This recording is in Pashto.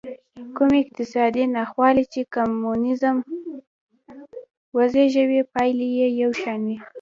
کومې اقتصادي ناخوالې چې کمونېزم وزېږولې پایلې یې یو شان وې.